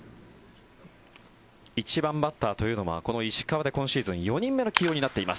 １番バッターというのはこの石川で今シーズン４人目の起用になっています。